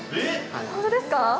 本当ですか？